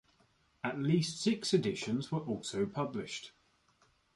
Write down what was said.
At least six editions were also published.